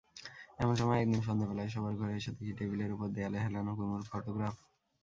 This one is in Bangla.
এমন সময় একদিন সন্ধেবেলায় শোবার ঘরে এসে দেখে টেবিলের উপর দেয়ালে হেলানো কুমুর ফোটোগ্রাফ।